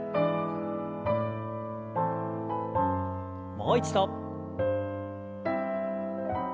もう一度。